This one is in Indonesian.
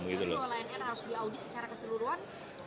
jadi lion air harus diaudit secara keterangan